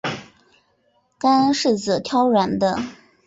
干柿子挑软的